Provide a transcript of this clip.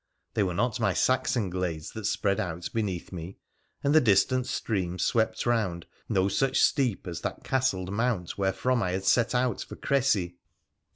They were not my Saxon glades that spread out beneath me, and the distant stream swept round no such steep as that castled mount wherefrom I had set out for Crecy.